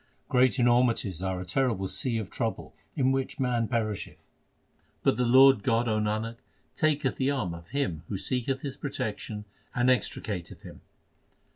Great enormities are a terrible sea of trouble in which man perisheth ; But the Lord God, O Nanak, taketh the arm of him who seeketh His protection and extricateth him.